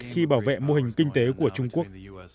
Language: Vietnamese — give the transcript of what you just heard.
khi bảo vệ mô hình kinh tế của trung quốc